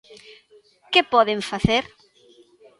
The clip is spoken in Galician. ¿Que poden facer?